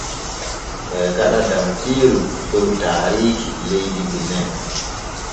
Ɓee gaɗa dartiiru dow taarikki leydi Bene.